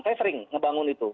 saya sering ngebangun itu